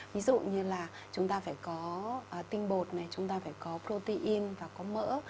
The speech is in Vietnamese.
ví dụ như là chúng ta phải có tinh bột này chúng ta phải có protein và có mỡ